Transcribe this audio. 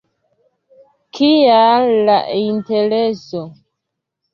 Kial la Intereso?